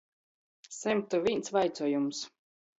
Symtu vīns vaicuojums.